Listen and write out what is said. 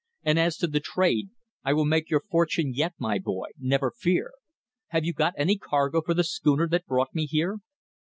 "And as to the trade ... I will make your fortune yet, my boy. Never fear. Have you got any cargo for the schooner that brought me here?"